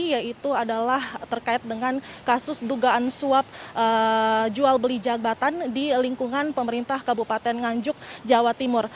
yaitu adalah terkait dengan kasus dugaan suap jual beli jabatan di lingkungan pemerintah kabupaten nganjuk jawa timur